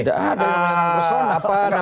tidak ada yang personal